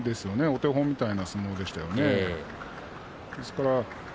お手本みたいな相撲でした。